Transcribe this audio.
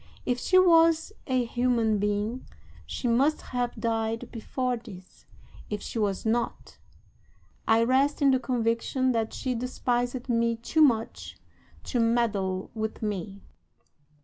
If she was a human being she must have died before this; if she was not, I rest in the conviction that she despised me too much to meddle with me.